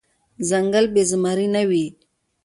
ځنګل بی زمري نه وي .